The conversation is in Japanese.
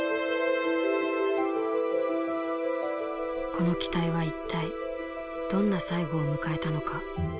この機体は一体どんな最期を迎えたのか。